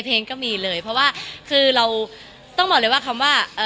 เพราะว่าคือเราต้องบอกเลยว่าคำว่า